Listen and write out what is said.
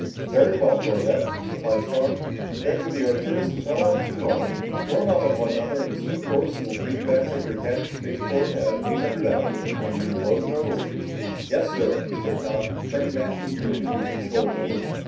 "Very well, Corbett," replied Strong. "Check in with the Arcturus, Capella and the Centauri, form up on one another and assume a course that will bring you back over Academy spaceport at eight hundred hours, when we will open orders." "Yes, sir," said Tom, turning back eagerly to the control board.